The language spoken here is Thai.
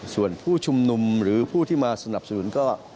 ส่วนผู้ชุมนุมหรือผู้ที่มาสนับสนุนก็